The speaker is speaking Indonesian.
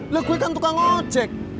lah gua kan tukang ngojek